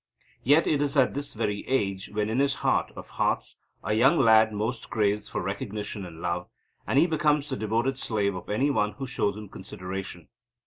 Yet it is at this very age when in his heart of hearts a young lad most craves for recognition and love; and he becomes the devoted slave of any one who shows him consideration.